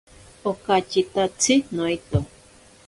Okatyitatsi noito.